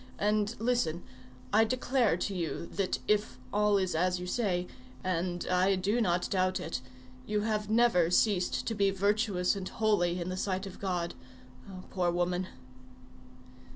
And listen! I declare to you that if all is as you say,—and I do not doubt it,—you have never ceased to be virtuous and holy in the sight of God. Oh! poor woman."